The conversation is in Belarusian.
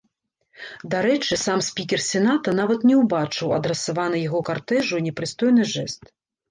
Дарэчы, сам спікер сената нават не ўбачыў адрасаваны яго картэжу непрыстойны жэст.